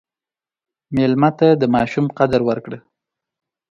مېلمه ته د ماشوم قدر ورکړه.